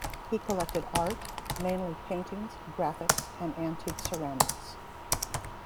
He collected art, mainly paintings, graphics and antique ceramics.